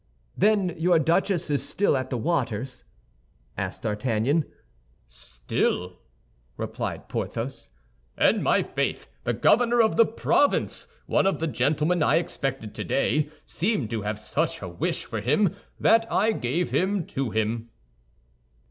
"Then your duchess is still at the waters?" asked D'Artagnan. "Still," replied Porthos. "And, my faith, the governor of the province—one of the gentlemen I expected today—seemed to have such a wish for him, that I gave him to him."